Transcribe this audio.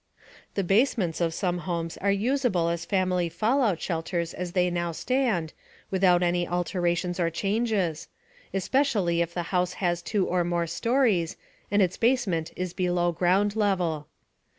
The basements of some homes are usable as family fallout shelters as they now stand, without any alterations or changes especially if the house has two or more stories, and its basement is below ground level.